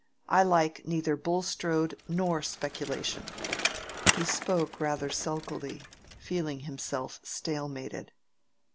"I like neither Bulstrode nor speculation." He spoke rather sulkily, feeling himself stalemated.